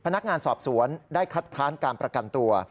พนักงานสอบสวนได้คัดค้านการประกันตัว